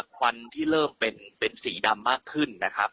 ควันที่เริ่มเป็นสีดำมากขึ้นนะครับ